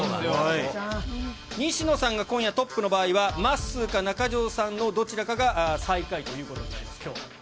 西野さんが今夜トップの場合は、まっすーか中条さんのどちらかが最下位ということになります、きょう。